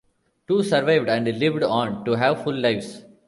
Two survived and lived on to have full lives.